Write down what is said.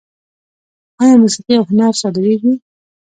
آیا موسیقي او هنر صادریږي؟